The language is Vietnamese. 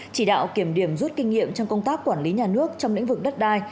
chỉ đạo kiểm điểm rút kinh nghiệm trong công tác quản lý nhà nước trong lĩnh vực đất đai